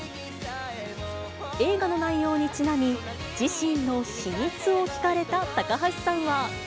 映画の内容にちなみ、自身の秘密を聞かれた高橋さんは。